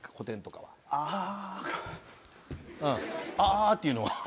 「あ」っていうのは？